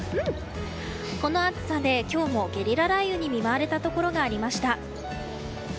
この暑さで今日もゲリラ雷雨に見舞われたところがありました。